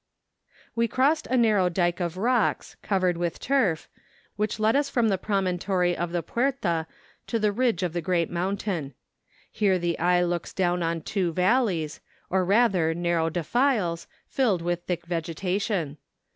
We crossed a narrow dyke of rocks, covered with turf, which led us from the promontory of the Puerta to the ridge of the great mountain. Here the eye looks down on two valleys, or rather narrow defiles, filled with thick vegetation.